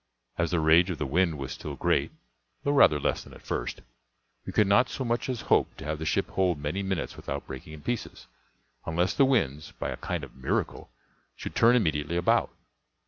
As the rage of the wind was still great, though rather less than at first, we could not so much as hope to have the ship hold many minutes without breaking in pieces, unless the winds, by a kind of miracle, should turn immediately about.